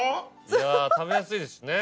いや食べやすいですしね。